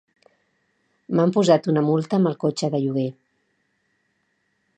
M'han posat una multa amb el cotxe de lloguer.